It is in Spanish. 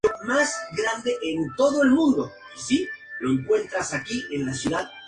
Su obra ofrece una visión completa de la sociedad de su tiempo.